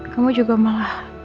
kamu juga malah